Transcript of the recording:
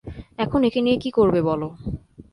এখন একে নিয়ে কী করবে বলো।